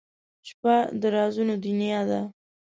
• شپه د رازونو دنیا ده.